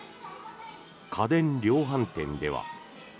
家電量販店では。